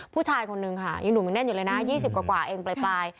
ผู้ชายคนนึงค่ะยังหนุ่มยังแน่นอยู่เลยนะ๒๐กว่าเองปลาย